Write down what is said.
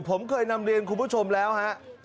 ผมเคยนำเรียนคุณผู้ชมแล้วฮะ